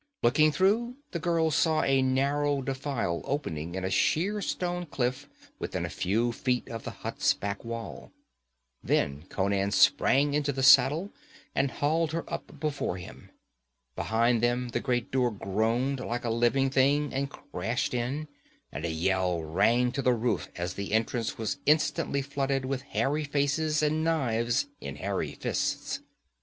Looking through, the girl saw a narrow defile opening in a sheer stone cliff within a few feet of the hut's back wall. Then Conan sprang into the saddle and hauled her up before him. Behind them the great door groaned like a living thing and crashed in, and a yell rang to the roof as the entrance was instantly flooded with hairy faces and knives in hairy fists.